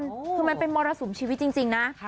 คือมันเป็นมรสุมชีวิตจริงนะ